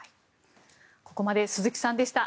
ここまで鈴木さんでした。